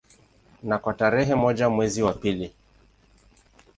Na kwa tarehe moja mwezi wa pili